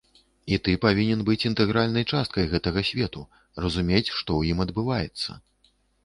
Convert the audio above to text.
І ты павінен быць інтэгральнай часткай гэтага свету, разумець, што ў ім адбываецца.